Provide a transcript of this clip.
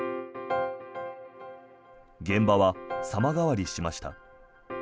現場は様変わりしました。